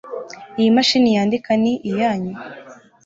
Iyi mashini yandika ni iyanyu